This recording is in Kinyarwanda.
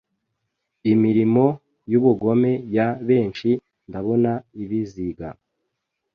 imirimo yubugome Ya benshi Ndabona ibiziga